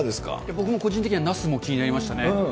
僕も個人的には那須も気になりましたね。